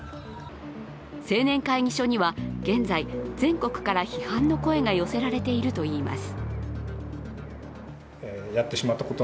青年会議所には、現在、全国から批判の声が寄せられているといいます。